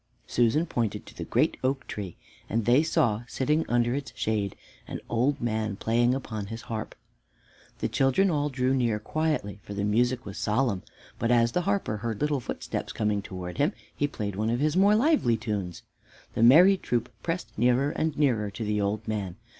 Susan pointed to the great oak tree, and they saw, sitting under its shade, an old man playing upon his harp. The children all drew near quietly, for the music was solemn; but as the harper heard little footsteps coming towards him, he played one of his more lively tunes. The merry troop pressed nearer and nearer to the old man.